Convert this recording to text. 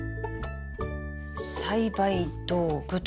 栽培道具っと。